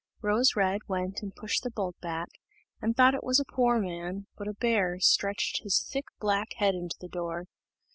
Rose red went and pushed the bolt back, and thought it was a poor man, but a bear stretched his thick black head into the door.